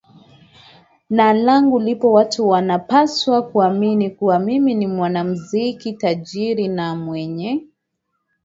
na langu lipo Watu wanapaswa kuamini kuwa mimi ni mwanamuziki tajiri na mwenye